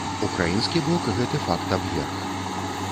Украінскі бок гэты факт абверг.